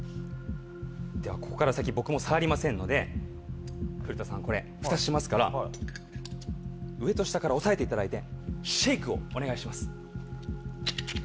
ではここから先僕もう触りませんので古田さんこれフタしますから上と下から押さえていただいてシェイクをお願いします。